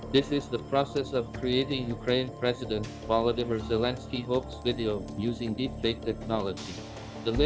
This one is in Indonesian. dan saya akan mencoba langsung deepfake dengan mengganti wajah dan suara cto databot imron zuri